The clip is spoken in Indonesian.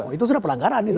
oh itu sudah pelanggaran itu